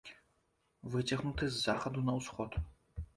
Выцягнуты з захаду на ўсход.